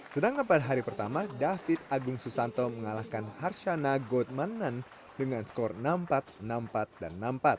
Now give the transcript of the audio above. sedangkan pada hari pertama david agung susanto mengalahkan harsana godamanan dengan skor enam empat enam empat dan enam empat